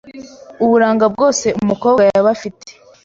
Uburanga bwose umukobwa yaba afite